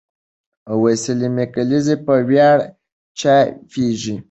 د سلمې کلیزې په ویاړ چاپېږي.